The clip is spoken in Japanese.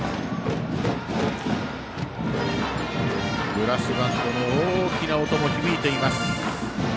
ブラスバンドの大きな音も響いています。